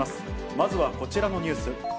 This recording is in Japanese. まずはこちらのニュース。